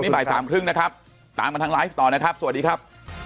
บ่ายสามครึ่งนะครับตามมาทางไลฟ์ต่อนะครับสวัสดีครับ